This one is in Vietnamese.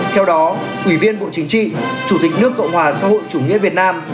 theo đó ủy viên bộ chính trị chủ tịch nước cộng hòa xã hội chủ nghĩa việt nam